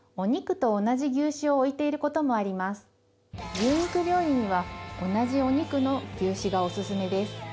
牛肉料理には同じお肉の牛脂がオススメです。